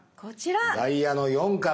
ダイヤの４から。